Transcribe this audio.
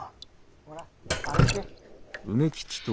ほら歩け。